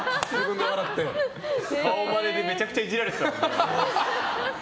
顔マネでめちゃくちゃイジられてたね。